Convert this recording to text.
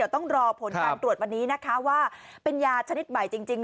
ต้องรอผลการตรวจวันนี้นะคะว่าเป็นยาชนิดใหม่จริง